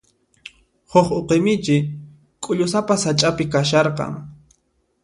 Huk uqi michi k'ullusapa sach'api kasharqan.